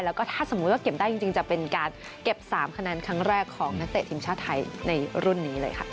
แล้วก็ถ้าสมมุติว่าเก็บได้จริงจะเป็นการเก็บ๓คะแนนครั้งแรกของนักเตะทีมชาติไทยในรุ่นนี้เลยค่ะ